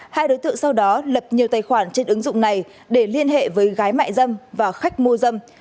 hai đối tượng sau đó lập nhiều tài khoản trên ứng dụng này để liên hệ với gái mại dâm và khách mua dâm